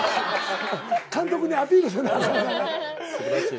監督にアピールせなあかんからな。